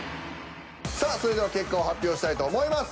さあそれでは結果を発表したいと思います。